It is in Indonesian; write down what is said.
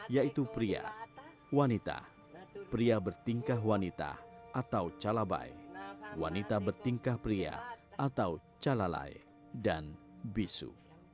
yaitu pria wanita pria bertingkah wanita atau calabai wanita bertingkah pria atau calalai dan bisu